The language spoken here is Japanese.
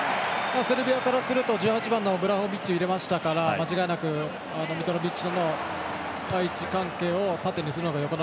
セルビアからすると１８番のブラホビッチを入れましたからミトロビッチとの位置関係を縦にするのか